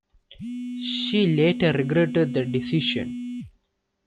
She later regretted the decision.